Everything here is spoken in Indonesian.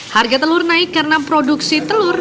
harga telur naik karena produksi telur